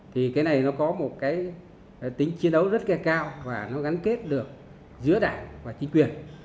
thì cái này nó có một cái tính chiến đấu rất là cao và nó gắn kết được giữa đảng và chính quyền